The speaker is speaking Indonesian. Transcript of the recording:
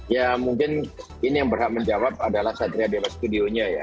ya mungkin ini yang berhak menjawab adalah satria dewa studionya ya